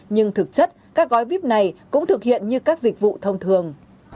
nhưng thực chất các gói vip này cũng thực hiện như các dịch vụ thông thường